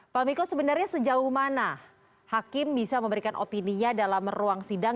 pak miko sebenarnya sejauh mana hakim bisa memberikan opininya dalam ruang sidang